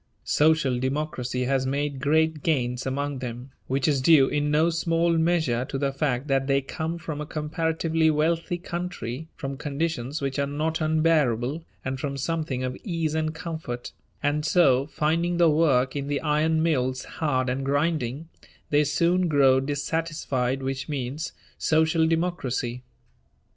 Social Democracy has made great gains among them, which is due in no small measure to the fact that they come from a comparatively wealthy country, from conditions which are not unbearable, and from something of ease and comfort; and so, finding the work in the iron mills hard and grinding, they soon grow dissatisfied, which means Social Democracy.